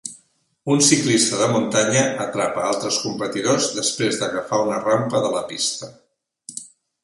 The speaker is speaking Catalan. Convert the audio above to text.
Un ciclista de muntanya atrapa altres competidors després d'agafar una rampa de la pista.